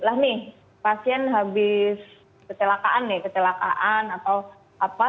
lah nih pasien habis kecelakaan nih kecelakaan atau apa